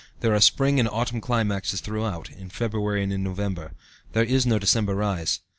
There are spring and autumn climaxes throughout (in February and in November); there is no December rise.